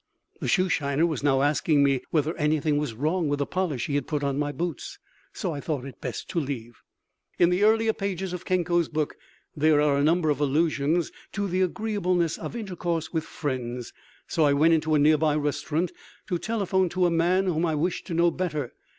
The shoeshiner was now asking me whether anything was wrong with the polish he had put on my boots, so I thought it best to leave. In the earlier pages of Kenko's book there are a number of allusions to the agreeableness of intercourse with friends, so I went into a nearby restaurant to telephone to a man whom I wished to know better.